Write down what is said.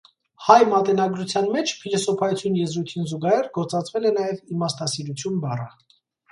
Հայ մատենագրության մեջ «փիլիսոփայություն» եզրույթին զուգահեռ գործածվել է նաև «իմաստասիրություն» բառը։